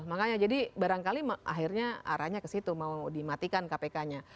makanya jadi barangkali akhirnya arahnya ke situ mau dimatikan kpk nya